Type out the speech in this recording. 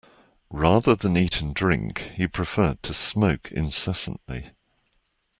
Rather than eat and drink, he preferred to smoke incessantly